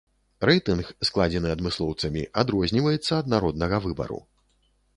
Рэйтынг, складзены адмыслоўцамі, адрозніваецца ад народнага выбару.